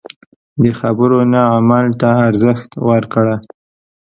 د خبرو نه عمل ته ارزښت ورکړه.